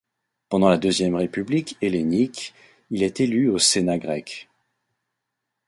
Pendant la Deuxième république hellénique, il est élu au Sénat grec.